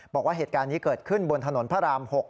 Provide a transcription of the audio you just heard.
บอกว่าเหตุการณ์นี้เกิดขึ้นบนถนนพระราม๖